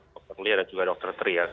dr lya dan dr trias